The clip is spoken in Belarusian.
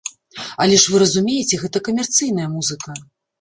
Але ж вы разумееце, гэта камерцыйная музыка.